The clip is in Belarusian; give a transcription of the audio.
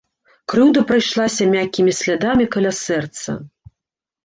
Крыўда прайшлася мяккімі слядамі каля сэрца.